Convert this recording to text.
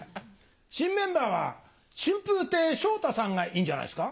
新メンバーは春風亭昇太さんがいいんじゃないですか？